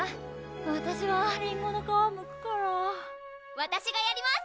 わたしはりんごの皮むくからわたしがやります！